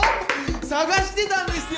捜してたんですよ！